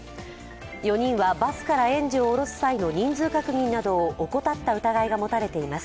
４人はバスから園児を降ろす際の人数確認などを怠った疑いが持たれています。